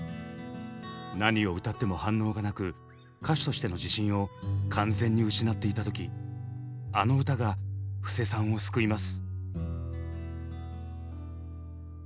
何を歌っても反応がなく歌手としての自信を完全に失っていた時あの歌が布施さんを救います。